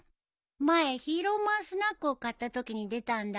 前ヒーローマンスナックを買ったときに出たんだ。